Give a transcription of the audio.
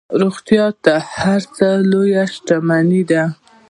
روغتیا تر هر څه لویه شتمني ده.